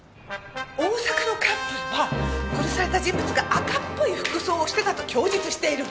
大阪のカップルは殺された人物が赤っぽい服装をしてたと供述している。